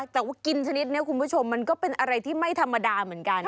แต่ว่ากินชนิดนี้คุณผู้ชมมันก็เป็นอะไรที่ไม่ธรรมดาเหมือนกัน